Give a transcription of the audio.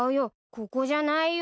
ここじゃないよ。